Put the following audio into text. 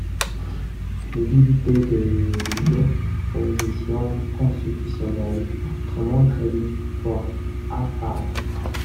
Le député de l'opposition constitutionnelle se montrait, lui, fort affable.